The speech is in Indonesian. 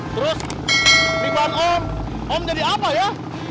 terus diban om om jadi apa ya